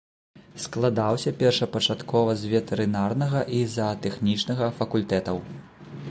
Складаўся першапачаткова з ветэрынарнага і заатэхнічнага факультэтаў.